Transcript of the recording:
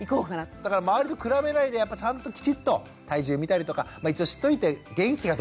だから周りと比べないでちゃんときちっと体重見たりとか一応知っといて元気かどうか。